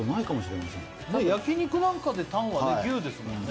焼き肉なんかでタンはね牛ですもんね